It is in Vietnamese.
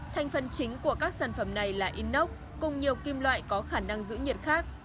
thành phần chính của các sản phẩm này là inox cùng nhiều kim loại có khả năng giữ nhiệt khác